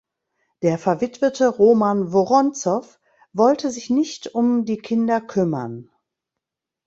Der verwitwete Roman Woronzow wollte sich nicht um die Kinder kümmern.